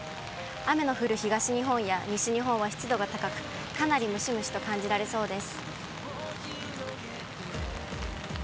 雨の降る東日本や西日本は湿度が高く、かなりムシムシと感じられそうです。